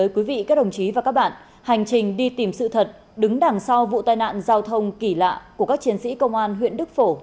các đồng chí và các bạn hành trình đi tìm sự thật đứng đằng sau vụ tai nạn giao thông kỳ lạ của các chiến sĩ công an huyện đức phổ